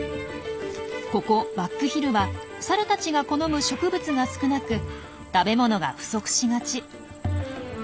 ここバックヒルはサルたちが好む植物が少なく食べ物が不足しがち。